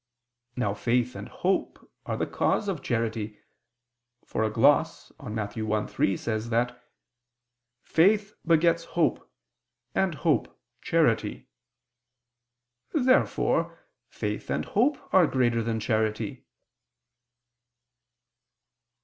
Now faith and hope are the cause of charity: for a gloss on Matt. 1:3 says that "faith begets hope, and hope charity." Therefore faith and hope are greater than charity.